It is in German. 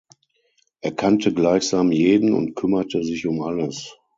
Er kannte gleichsam jeden und kümmerte sich um alles.